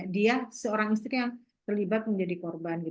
dia seorang istri yang terlibat menjadi korban